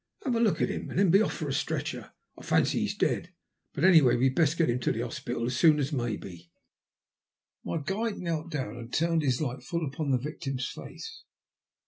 ''Have a look at him, and then be off for a stretcher. I fancy he's dead ; but, anyway, we'd best get him to the hospital as soon as maybe." My guide knelt down, and turned his light full upon the victim's face.